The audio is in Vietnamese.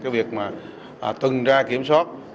việc tuần tra kiểm soát